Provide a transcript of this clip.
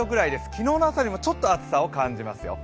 昨日の朝よりちょっと暑さを感じますよ。